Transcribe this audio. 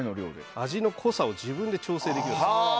味の濃さを自分で調整できるんです。